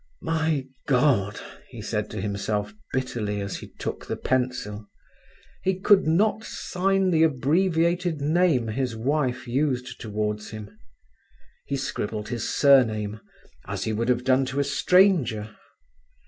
"My God!" he said to himself bitterly as he took the pencil. He could not sign the abbreviated name his wife used towards him. He scribbled his surname, as he would have done to a stranger.